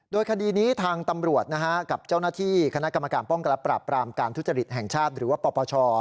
โดยคดีนี้ทางตำรวจกับเจ้าหน้าที่คณะกรรมการป้องกันและปราบปรามการทุจริตแห่งชาติหรือว่าปปช